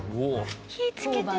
火つけてる。